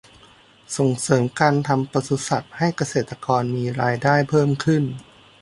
ส่งเสริมการทำปศุสัตว์ให้เกษตรกรมีรายได้เพิ่มขึ้น